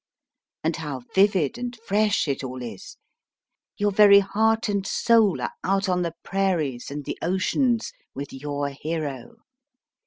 And how vivid and fresh it all is ! Your very heart and soul are out on the prairies and the oceans with your hero.